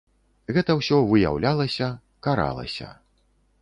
Гэта ўсё выяўлялася, каралася.